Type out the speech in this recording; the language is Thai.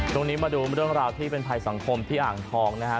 ตรงนี้มาดูเรื่องราวที่เป็นภัยสังคมที่อ่างทองนะฮะ